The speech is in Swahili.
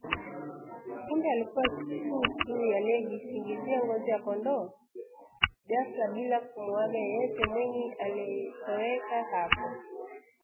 Kumbe alikuwa tu chui aliyejisingizia ngozi ya kondoo? Ghafla bila kumuaga yeyote, Mwinyi alitoweka hapo